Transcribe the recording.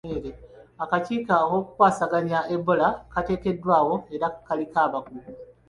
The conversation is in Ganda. Akakiiko ak'okukwasaganya ebola kateekeddwawo era kaliko bakugu.